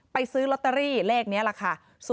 ไปซื้อลอตเตอรี่เลขนี้แหละค่ะ๐๖๖๗๒๐